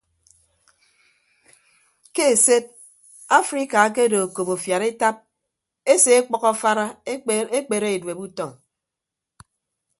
Ke esed afrika akedo okop afiad etap ese ọkpʌk afara ekpere edueb utọñ.